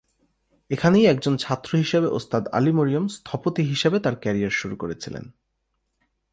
এখানেই একজন ছাত্র হিসাবে ওস্তাদ আলী মরিয়ম স্থপতি হিসাবে তাঁর কেরিয়ার শুরু করেছিলেন।